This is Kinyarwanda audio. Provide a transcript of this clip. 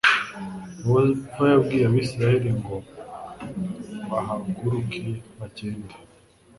Yehova yabwiye Abisirayeli ngo bahaguruke bagende